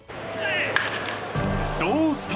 どうした？